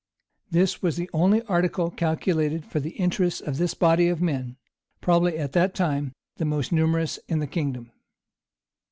This was the only article calculated for the interests of this body of men, probably at that time the most numerous in the kingdom.